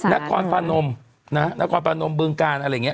นครพนมนะนครพนมบึงการอะไรอย่างนี้